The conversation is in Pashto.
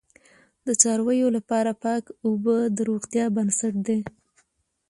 د څارویو لپاره پاک اوبه د روغتیا بنسټ دی.